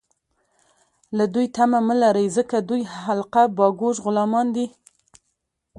له دوی تمه مه لرئ ، ځکه دوی حلقه باګوش غلامان دي